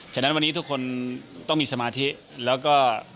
ฉะนั้นวันนี้ทุกคนต้องมีสมาธิแล้วก็